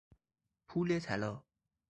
پول طلا